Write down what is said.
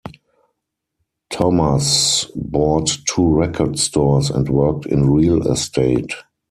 Thomas bought two record stores and worked in real estate.